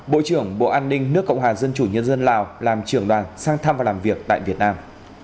bộ trưởng bộ an ninh nước cộng hòa dân chủ nhân dân lào làm trưởng đoàn sang thăm và làm việc tại việt nam